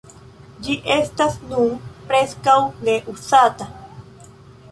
Ĝi estas nun preskaŭ ne uzata.